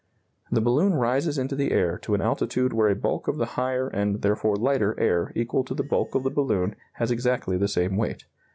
The balloon rises into the air to an altitude where a bulk of the higher and therefore lighter air equal to the bulk of the balloon has exactly the same weight.